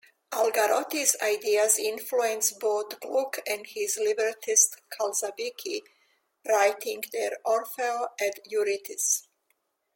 Algarotti's ideas influenced both Gluck and his librettist Calzabigi, writing their Orfeo ed Euridice.